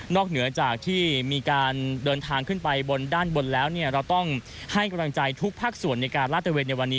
เหนือจากที่มีการเดินทางขึ้นไปบนด้านบนแล้วเราต้องให้กำลังใจทุกภาคส่วนในการลาดตะเวนในวันนี้